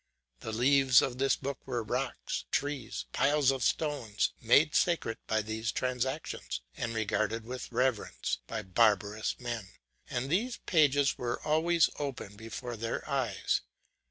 The leaves of this book were rocks, trees, piles of stones, made sacred by these transactions, and regarded with reverence by barbarous men; and these pages were always open before their eyes.